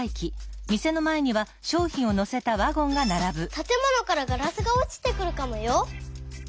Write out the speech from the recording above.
たてものからガラスがおちてくるかもよ。